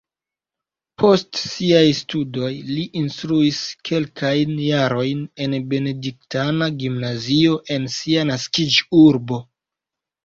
Post siaj studoj li instruis kelkajn jarojn en benediktana gimnazio en sia naskiĝurbo.